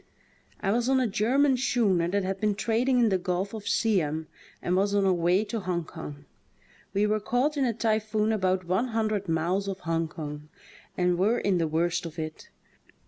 I was on a German schooner that had been trading in the gulf of Siam and was on her way to Hong Kong. We were caught in a typhoon about one hundred miles off Hong Kong, and were in the worst of it.